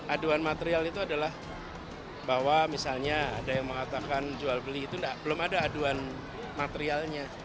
aduan material itu adalah bahwa misalnya ada yang mengatakan jual beli itu belum ada aduan materialnya